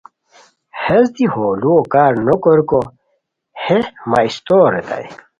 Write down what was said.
ہیس دی ہو لوؤ کار نو کوریکو ہیں مہ استور ریتائے